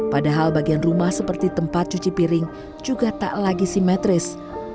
padahal bagian rumah seperti tempat cuci piring juga tak lagi simetris